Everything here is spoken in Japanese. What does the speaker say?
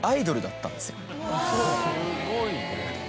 すごいね。